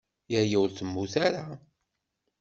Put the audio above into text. Yaya ur temmut ara.